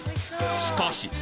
しかし